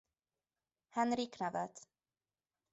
Henrik nevet.